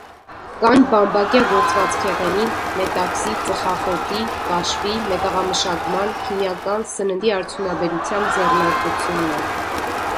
Կան բամբակյա գործվածքեղենի, մետաքսի, ծխախոտի, կաշվի, մետաղամշակման, քիմիական, սննդի արդյունաբերության ձեռնարկություններ։